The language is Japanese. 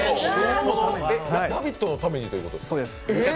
「ラヴィット！」のためにということですか？